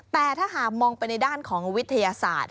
แต่ถ้าหากมองไปในด้านของวิทยาศาสตร์